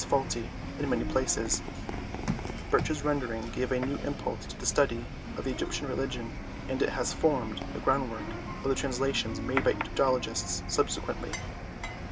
faulty in many places, Birch's rendering gave a new impulse to the study of the Egyptian religion, and it has formed the groundwork of the translations made by Egyptologists subsequently.